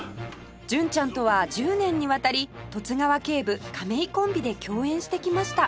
純ちゃんとは１０年にわたり十津川警部亀井コンビで共演してきました